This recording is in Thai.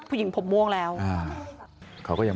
แต่เธอก็ไม่ละความพยายาม